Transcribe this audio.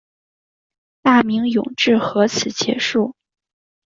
大明永和至此结束。